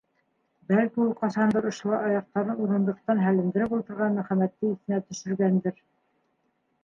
Бәлки, ул ҡасандыр ошолай аяҡтарын урындыҡтан һәлендереп ултырған Мөхәммәтте иҫенә төшөргәндер.